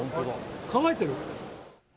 乾いてる。